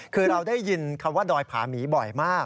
คือเราได้ยินคำว่าดอยผาหมีบ่อยมาก